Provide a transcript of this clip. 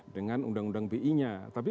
dengan undang undang bi nya tapi